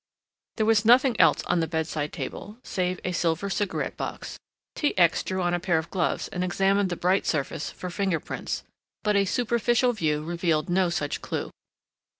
There was nothing else on the bedside table save a silver cigarette box. T. X. drew on a pair of gloves and examined the bright surface for finger prints, but a superficial view revealed no such clue.